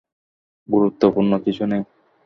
গুরুত্বপূর্ণ কিছু নেই।